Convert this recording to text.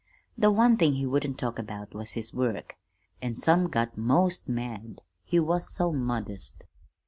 The one thing he wouldn't talk about was his work, an' some got most mad, he was so modest.